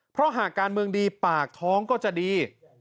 เพราะหากการเมืองดีปากท้องก็จะดี